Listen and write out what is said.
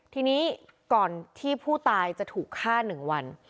ทีนี้ก่อนที่ผู้ตายจะถูกฆ่า๑วัน